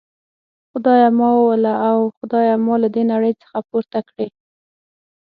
خدایه ما ووله او خدایه ما له دي نړۍ څخه پورته کړي.